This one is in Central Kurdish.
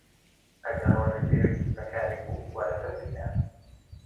ئەگەر ڕۆژێک پێویستت بە کارێک بوو، وەرە بمبینە.